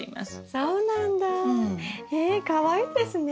そうなんだ。えかわいいですね。